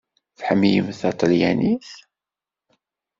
Tḥemmlemt taṭelyanit?